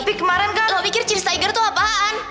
tapi kemarin kan lo pikir cheers tiger tuh apaan